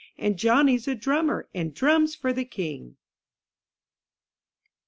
And Johnny's a drummer, and drums for the king.